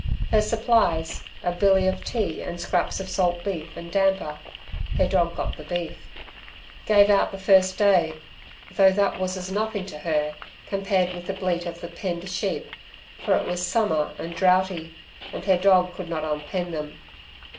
Her supplies, a billy of tea and scraps of salt beef and damper (her dog got the beef), gave out the first day, though that was as nothing to her compared with the bleat of the penned sheep, for it was summer and droughty, and her dog could not unpen them.